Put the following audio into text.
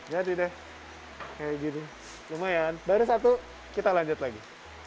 jadi deh kayak gini lumayan baru satu kita lanjut lagi